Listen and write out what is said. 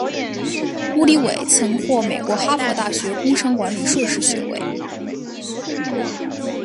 乌里韦曾获美国哈佛大学工商管理硕士学位。